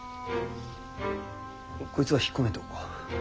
こいつは引っ込めておこう。